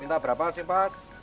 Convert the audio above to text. minta berapa sih pas